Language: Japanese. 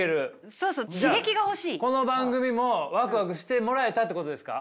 そうそうこの番組もワクワクしてもらえたってことですか？